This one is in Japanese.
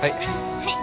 はい。